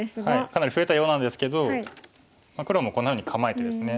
かなり増えたようなんですけど黒もこんなふうに構えてですね。